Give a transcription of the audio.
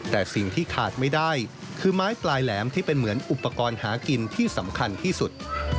แต่สิ่งที่ขาดไม่ได้คือไม้ปลายแหลมที่เป็นเหมือนอุปกรณ์หากินที่สำคัญที่สุด